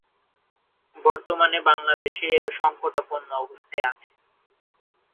বর্তমানে বাংলাদেশে এরা সংকটাপন্ন অবস্থায় আছে।